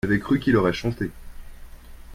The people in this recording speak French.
j'avais cru qu'il aurait chanté.